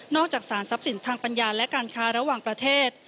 จากสารทรัพย์สินทางปัญญาและการค้าระหว่างประเทศ